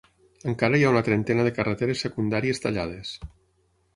Encara hi ha una trentena de carreteres secundàries tallades.